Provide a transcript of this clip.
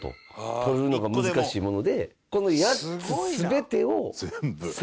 とるのが難しいもので。